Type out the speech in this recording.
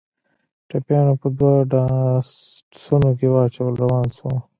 ټپيان مو په دوو ډاټسنو کښې واچول روان سو.